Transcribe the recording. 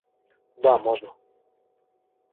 Да, можно